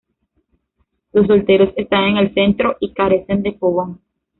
Los solteros están en el centro y carecen de fogón.